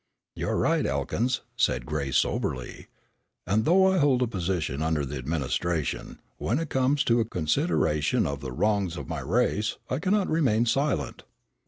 "You're right, Elkins," said Gray, soberly, "and though I hold a position under the administration, when it comes to a consideration of the wrongs of my race, I cannot remain silent."